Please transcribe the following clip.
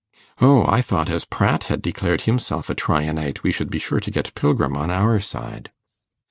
'O, I thought, as Pratt had declared himself a Tryanite, we should be sure to get Pilgrim on our side.